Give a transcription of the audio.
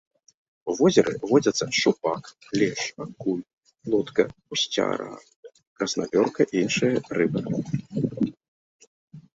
У возеры водзяцца шчупак, лешч, акунь, плотка, гусцяра, краснапёрка і іншыя рыбы.